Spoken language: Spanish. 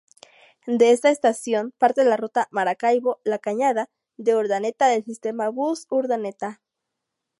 De esta estación parte la ruta Maracaibo-La Cañada de Urdaneta del sistema Bus Urdaneta.